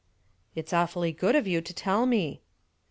"It's awfully good of you to tell me."